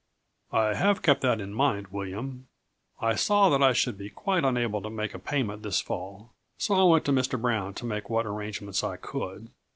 "I have kept that in mind, William. I saw that I should be quite unable to make a payment this fall, so I went to Mr. Brown to make what arrangements I could.